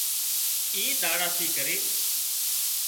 اي ۮاڙا ٿي ڪرينَ